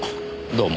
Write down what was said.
どうも。